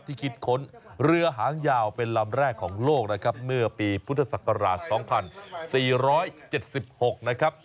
คิดค้นเรือหางยาวเป็นลำแรกของโลกนะครับเมื่อปีพุทธศักราช๒๔๗๖นะครับ